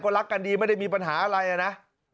รักกันดีไม่ได้มีปัญหาอะไรนะ